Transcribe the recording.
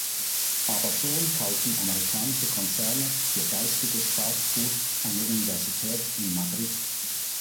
Aber schon kaufen amerikanische Konzerne für geistiges "Fastfood" eine Universität in Madrid.